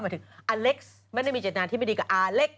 หมายถึงอเล็กซ์ไม่ได้มีเจตนาที่ไม่ดีกับอาเล็ก